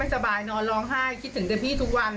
พี่สาวของเธอบอกว่ามันเกิดอะไรขึ้นกับพี่สาวของเธอ